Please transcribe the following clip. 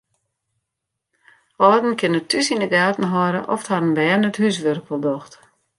Alden kinne thús yn de gaten hâlde oft harren bern it húswurk wol docht.